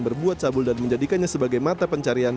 membuat cabul dan menjadikannya sebagai mata pencarian